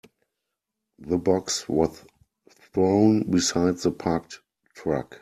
The box was thrown beside the parked truck.